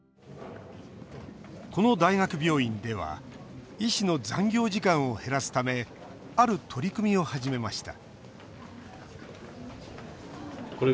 この大学病院では医師の残業時間を減らすためある取り組みを始めました